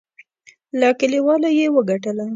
له کلیوالو یې وګټله.